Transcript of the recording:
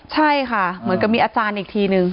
ใช่ค่ะเหมือนกับมีอาจารย์อีกทีนึง